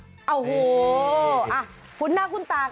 คุณน่าคุณตากันหลายคนอยู่แล้วค่ะ